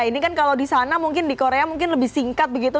ini kan kalau di sana mungkin di korea mungkin lebih singkat begitu